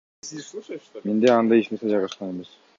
Менде андай эч нерсе жайгашкан эмес.